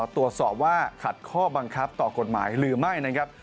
ตรวจสอบว่าขัดข้อบังคับต่อกฎหมายหรือไม่นะครับ